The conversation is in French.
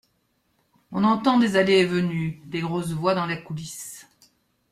On entend des allées et venues… des grosses voix dans la coulisse.